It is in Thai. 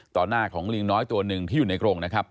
หน้าของลิงน้อยตัวหนึ่งที่อยู่ในกรงนะครับ